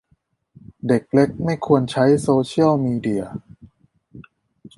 เด็กเล็กไม่ควรใช้โซเชียลมีเดีย